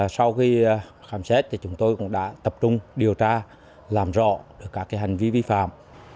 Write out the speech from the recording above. sau khi khám xét chúng tôi cũng đã tập trung điều tra làm rõ các hành vi vi phạm